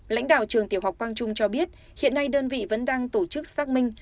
lãnh đạo trường tiểu học quang trung cho biết hiện nay đơn vị vẫn đang tổ chức xác minh